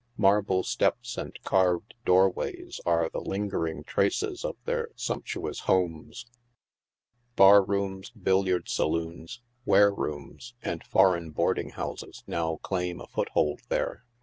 Marble steps and carved doorways are the lingering traces of their sumptuous homes. Bar rooms, billiard sa loons, ware rooms and foreign boarding houses now claim a foot hold there.